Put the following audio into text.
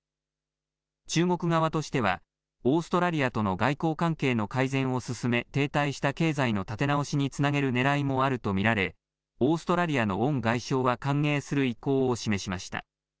中国側としては、オーストラリアとの外交関係の改善を進め、停滞した経済の立て直しにつなげるねらいもあると見られ、オーストラリアのウォン外相は歓迎する意向を示しました。